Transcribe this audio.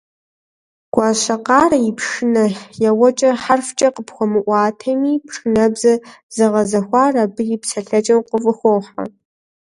Гуащэкъарэ и пшынэ еуэкӀэр хьэрфкӀэ къыпхуэмыӀуатэми, пшынэбзэ зэгъэзэхуар абы и псэлъэкӀэм къыфӀыхохьэ.